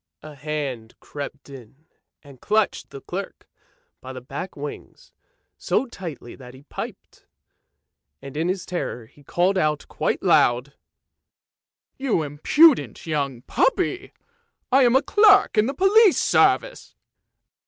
A hand crept in and clutched the clerk by the back and wings, so tightly that he piped, and in his terror called out quite loud, " You impudent young puppy, I am a clerk in the police service!